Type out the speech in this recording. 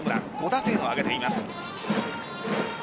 ５打点を挙げています。